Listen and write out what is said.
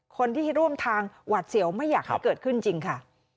คนที่ร่วมทางหวัดเสียวไม่อยากให้เกิดขึ้นจริงค่ะ